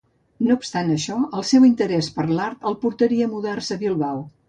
No obstant això, el seu interès per l'art el portaria a mudar-se a Bilbao.